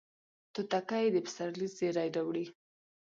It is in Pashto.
توتکۍ د پسرلي زیری راوړي